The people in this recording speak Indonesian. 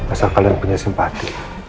asal kalian punya simpati